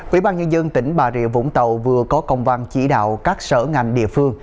ủy ban nhân dân tỉnh bà rịa vũng tàu vừa có công văn chỉ đạo các sở ngành địa phương